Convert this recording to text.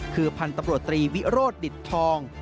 คือพันธุ์ตำรวจตรีวิโรธดิตทอง